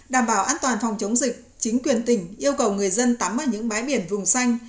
đảm bảo an toàn phòng chống dịch chính quyền tỉnh yêu cầu người dân tắm ở những bãi biển vùng xanh